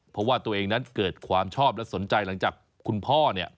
เพราะว่าตัวเองนั้นเกิดความชอบและสนใจหลังจากคุณพ่อเนี่ย